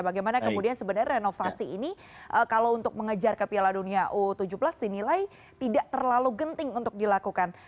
bagaimana kemudian sebenarnya renovasi ini kalau untuk mengejar ke piala dunia u tujuh belas dinilai tidak terlalu genting untuk dilakukan